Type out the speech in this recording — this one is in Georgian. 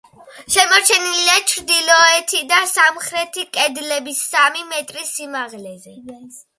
შემორჩენილია ჩრდილოეთი და სამხრეთი კედლები სამი მეტრის სიმაღლეზე.